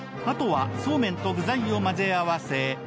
あとはそうめんと具材を混ぜ合わせ